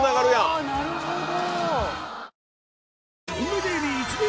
あぁなるほど。